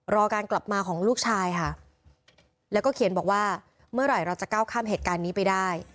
รอการกลับมาของลูกชายค่ะแล้วก็เขียนบอกว่าเมื่อไหร่เราจะก้าวข้ามเหตุการณ์นี้ไปได้